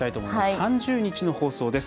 ３０日の放送です。